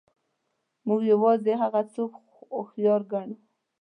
موږ یوازې هغه څوک هوښیار ګڼو.